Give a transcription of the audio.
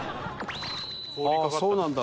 ああそうなんだ。